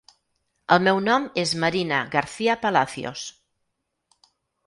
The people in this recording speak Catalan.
El meu nom és Marina Garcia Palacios.